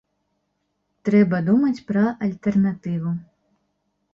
Трэба думаць пра альтэрнатыву.